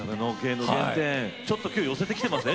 ちょっと今日寄せてきてません？